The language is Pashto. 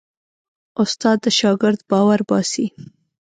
استاد د شاګرد باور باسي.